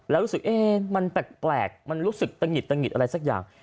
แล้วรู้สึกมันแปลกมันรู้สึกตะหิดตะหิดอะไรสักอย่าง